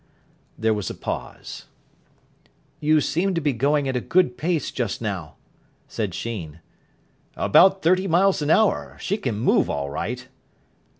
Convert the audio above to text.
There was a pause. "You seemed to be going at a good pace just now," said Sheen. "About thirty miles an hour. She can move all right."